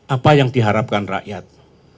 apa yang diharapkan rakyatnya